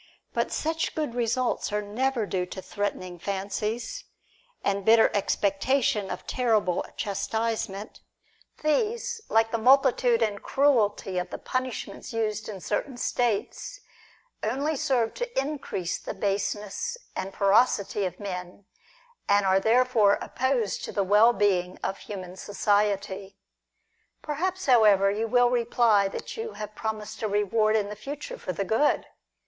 But such good results are never due to threatening fancies, and bitter expectation of terrible chastisement; these, like the multitude and cruelty of the punishments used in certain states, only serve to increase the baseness and i86 DIALOGUE BETWEEN ferocity of men, and are therefore opposed to the well being of human society. "Perhaps, however, you will reply that you have promised a reward in the future for the good.